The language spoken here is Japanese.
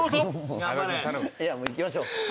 ・いきましょう。